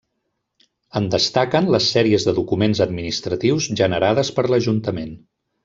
En destaquen les sèries de documents administratius generades per l'Ajuntament.